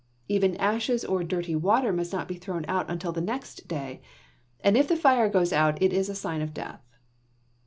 Even ashes or dirty water must not be thrown out until the next day, and if the fire goes out it is a sign of death.